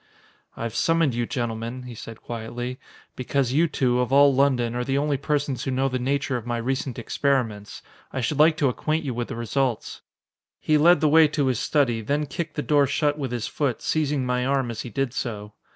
"I've summoned you, gentlemen," he said quietly, "because you two, of all London, are the only persons who know the nature of my recent experiments. I should like to acquaint you with the results!" He led the way to his study, then kicked the door shut with his foot, seizing my arm as he did so.